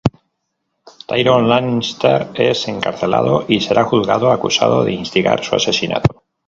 Tyrion Lannister es encarcelado y será juzgado acusado de instigar su asesinato.